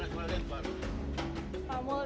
bisa berpengalaman ribuan